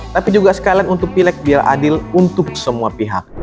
tapi juga sekalian untuk pileg biar adil untuk semua pihak